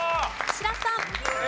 白洲さん。